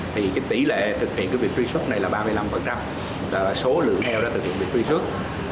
thì tỷ lệ thực hiện cái việc truy xuất này là ba mươi năm số lượng heo đã thực hiện việc truy xuất